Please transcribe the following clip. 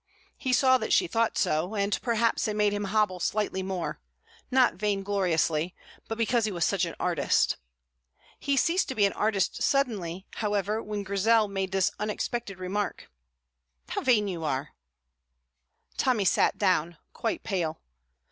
He saw that she thought so, and perhaps it made him hobble slightly more, not vaingloriously, but because he was such an artist. He ceased to be an artist suddenly, however, when Grizel made this unexpected remark: "How vain you are!" Tommy sat down, quite pale.